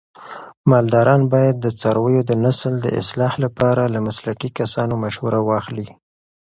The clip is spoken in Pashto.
مالداران باید د څارویو د نسل د اصلاح لپاره له مسلکي کسانو مشوره واخلي.